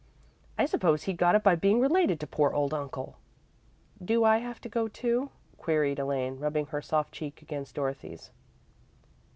I suppose he got it by being related to poor old uncle." "Do I have to go, too?" queried Elaine, rubbing her soft cheek against Dorothy's.